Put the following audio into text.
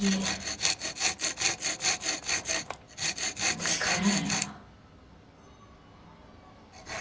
私帰らないわ。